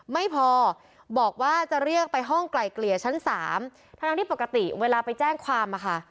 ไม่พอบอกว่าจะเรียกไปห้องไกลเกลี่ยชั้นสามทั้งที่ปกติเวลาไปแจ้งความอะค่ะ